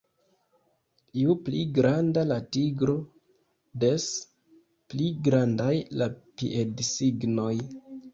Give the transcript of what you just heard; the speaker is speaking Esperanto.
Ju pli granda la tigro, des pli grandaj la piedsignoj.